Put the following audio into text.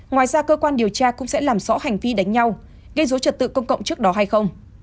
ngoài ra cơ quan điều tra cũng sẽ làm rõ hành vi đánh nhau gây dối trật tự công cộng trước đó hay không